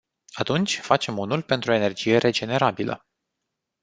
Atunci, facem unul pentru energie regenerabilă.